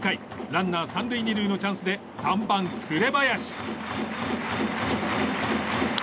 ランナー３塁２塁のチャンスで３番、紅林。